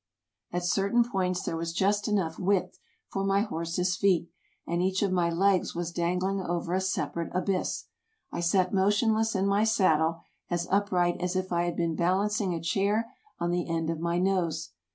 At certain points there was just enough width for my horse's feet, and each of my legs was dangling over a separate abyss. I sat motionless in my saddle, as upright as if I had been balancing a chair on the end of my nose.